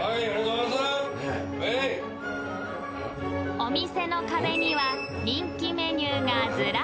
［お店の壁には人気メニューがずらり］